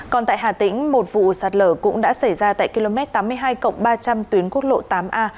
còn tại hà tĩnh một vụ sạt lở cũng đã xảy ra tại km tám mươi hai ba trăm linh tuyến quốc lộ tám a